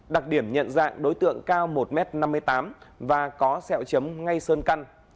đặc điểm nhận dạng đối tượng cao một m năm mươi tám và có sẹo chấm ngay sơn căn